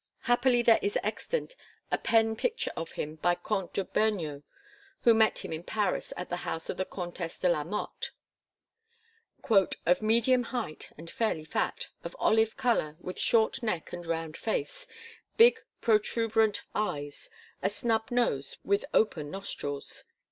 Happily there is extant a pen picture of him by Comte de Beugnot who met him in Paris at the house of the Comtesse de la Motte: "of medium height and fairly fat, of olive colour, with short neck and round face, big protruberant eyes, a snub nose with open nostrils."